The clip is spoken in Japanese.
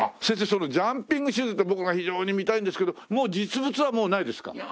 先生そのジャンピングシューズって僕非常に見たいんですけど実物はもうないですか？